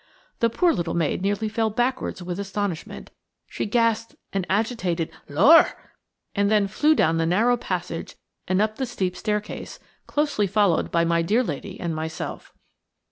The poor little maid nearly fell backwards with astonishment. She gasped an agitated "Lor!" and then flew down the narrow passage and up the steep staircase, closely followed by my dear lady and myself.